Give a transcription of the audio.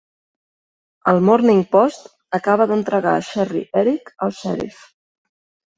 El Morning Post acaba d'entregar Sherry Eric al xèrif.